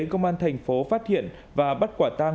công an tp phát hiện và bắt quả tang